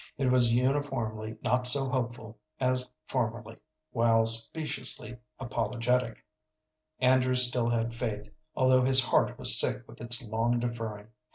It was uniformly not so hopeful as formerly, while speciously apologetic. Andrew still had faith, although his heart was sick with its long deferring.